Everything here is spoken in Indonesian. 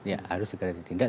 ya harus segera ditindak